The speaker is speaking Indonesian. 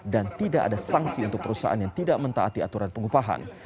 dan tidak ada sanksi untuk perusahaan yang tidak mentaati aturan pengupahan